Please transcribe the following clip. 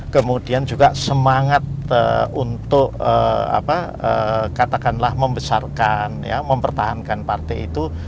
kemudian juga semangat untuk katakanlah membesarkan mempertahankan partai itu